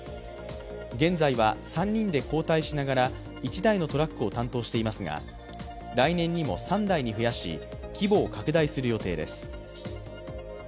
現在は３人で交代しながら１台のトラックを担当していますが来年にも３台に増やし規模を拡大する予定です。